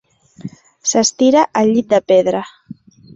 S'estira al llit de pedra.